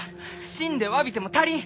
死んでわびても足りん！